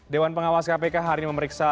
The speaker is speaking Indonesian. dewan pengawas kpk hari ini memeriksa